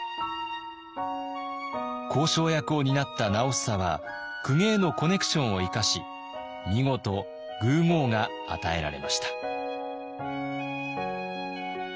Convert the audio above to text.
交渉役を担った直房は公家へのコネクションを生かし見事「宮」号が与えられました。